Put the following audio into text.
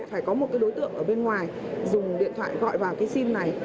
phải có một cái đối tượng ở bên ngoài dùng điện thoại gọi vào cái sim này